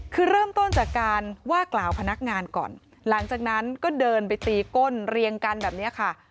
คือเริ่มต้นจากการว่ากล่าวพนักงานก่อนหลังจากนั้นก็เดินไปตีก้นเรียงกันแบบนี้ค่ะ